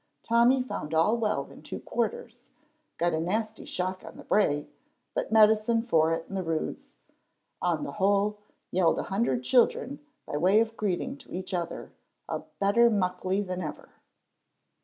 Tommy found all well in two quarters, got a nasty shock on the brae, but medicine for it in the Roods; on the whole, yelled a hundred children, by way of greeting to each other, a better Muckley than ever.